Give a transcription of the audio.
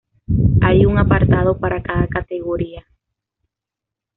Hay un apartado para cada categoría.